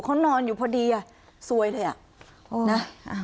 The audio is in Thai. เขานอนอยู่พอดีสวยเลยนะ